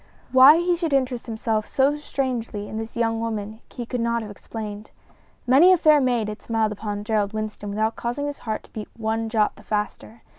Why he should interest himself so strangely in this young woman he could not have explained. Many a fair maid had smiled upon Gerald Winston without causing his heart to beat one jot the faster.